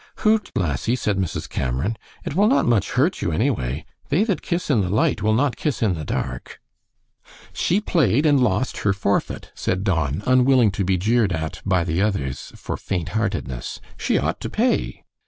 "Hoot, lassie," said Mrs. Cameron; "it will not much hurt you, anyway. They that kiss in the light will not kiss in the dark." "She played, and lost her forfeit," said Don, unwilling to be jeered at by the others for faint heartedness. "She ought to pay."